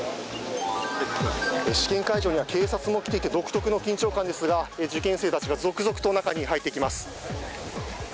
試験会場には警察も来ていて独特の緊張感ですが受験生たちが続々と中に入っていきます。